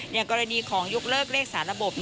อย่างกรณีของยกเลิกเลขสารระบบ